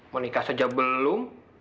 menikah saja belum